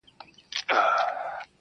او ستا پر قبر به.